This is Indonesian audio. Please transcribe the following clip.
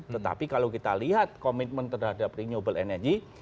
tetapi kalau kita lihat komitmen terhadap renewable energy